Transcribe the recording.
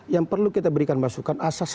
yang perlu kita berikan masukan asas